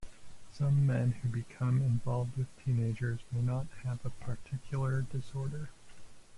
Some men who become involved with teenagers may not have a particular disorder.